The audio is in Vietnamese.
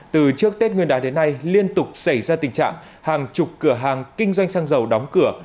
từ trước tết nguyên đán đến nay liên tục xảy ra tình trạng hàng chục cửa hàng kinh doanh xăng dầu đóng cửa